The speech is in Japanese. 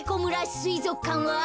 すいぞくかんは。